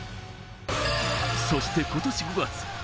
そして今年５月。